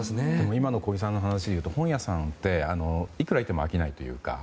今の小木さんの話だと本屋さんっていくらいても飽きないというか。